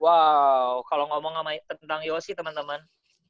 wow kalau ngomong tentang yosi teman teman